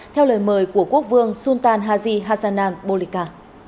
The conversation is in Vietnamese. theo lời mời của quốc vương sultan haji hassanan bolika